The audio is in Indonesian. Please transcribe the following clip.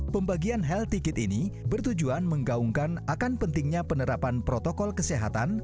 pembagian health ticket ini bertujuan menggaungkan akan pentingnya penerapan protokol kesehatan